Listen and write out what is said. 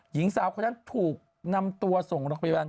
หญิงสาวคนนั้นถูกนำตัวส่งโรงพยาบาล